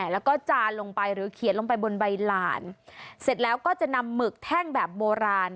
แล้วก็จานลงไปหรือเขียนลงไปบนใบหลานเสร็จแล้วก็จะนำหมึกแท่งแบบโบราณ